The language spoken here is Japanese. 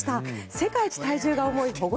世界一体重が重い保護